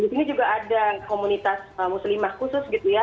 di sini juga ada komunitas muslimah khusus gitu ya